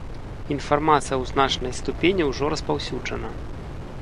Інфармацыя ў значнай ступені ўжо распаўсюджана.